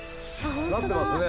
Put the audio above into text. なってますね。